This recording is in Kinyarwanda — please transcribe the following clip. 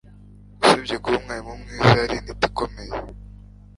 Usibye kuba umwarimu mwiza yari intiti ikomeye